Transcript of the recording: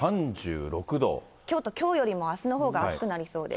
京都、きょうよりもあすのほうが暑くなりそうです。